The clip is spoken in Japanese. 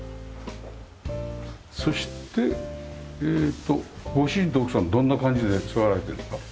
そしてえーとご主人と奥さんどんな感じで座られてるんですか？